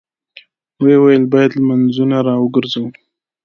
ويې ويل: بايد لمونځونه راوګرځوو!